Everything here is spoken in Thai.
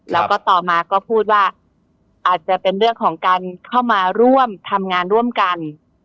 แล้วก็ต่อมาก็พูดว่าอาจจะเป็นเรื่องของการเข้ามาร่วมทำงานร่วมกัน